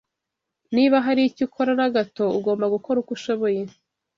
Niba hari icyo ukora na gato, ugomba gukora uko ushoboye